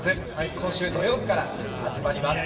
今週土曜日から始まります。